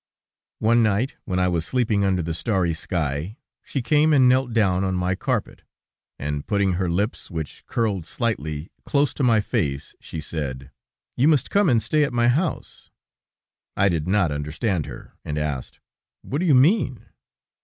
One night, when I was sleeping under the starry sky, she came and knelt down on my carpet, and putting her lips, which curled slightly, close to my face, she said: "You must come and stay at my house." I did not understand her, and asked: "What do you mean?"